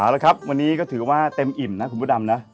แล้วครับวันนี้ก็ถือว่าเต็มอิ่มนะคุณพระดำนะ